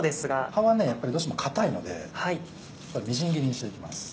葉はやっぱりどうしても硬いのでみじん切りにしていきます。